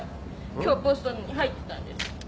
今日ポストに入ってたんです。